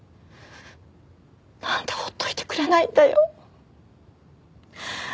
なんで放っておいてくれないんだよ。